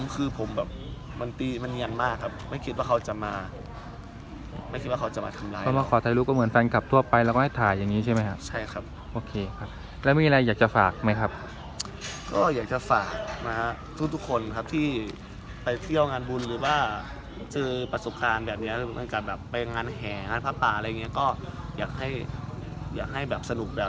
คือผมแบบมันตีมันเนียนมากครับไม่คิดว่าเขาจะมาไม่คิดว่าเขาจะมาทำร้ายเพราะว่าขอถ่ายรูปก็เหมือนแฟนคลับทั่วไปแล้วก็ให้ถ่ายอย่างนี้ใช่ไหมครับใช่ครับโอเคครับแล้วมีอะไรอยากจะฝากไหมครับก็อยากจะฝากนะฮะทุกทุกคนครับที่ไปเที่ยวงานบุญหรือว่าเจอประสบการณ์แบบนี้เป็นการแบบไปงานแห่งานผ้าป่าอะไรอย่างเงี้ยก็อยากให้อยากให้แบบสรุปแบบ